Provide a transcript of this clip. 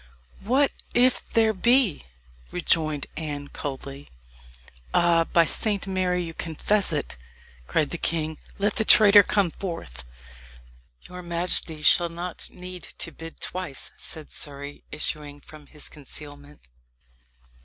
"What if there be?" rejoined Anne coldly. "Ah! by Saint Mary, you confess it!" cried the king. "Let the traitor come forth." "Your majesty shall not need to bid twice," said Surrey, issuing from his concealment.